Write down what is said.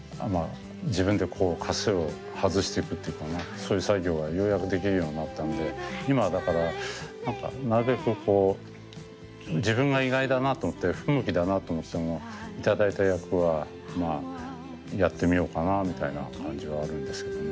そういう作業がようやくできるようになったんで今はだから何かなるべくこう自分が意外だなと思って不向きだなと思っても頂いた役はまあやってみようかなあみたいな感じはあるんですけどね。